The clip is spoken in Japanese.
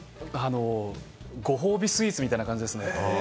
ご褒美スイーツみたいな感じですね。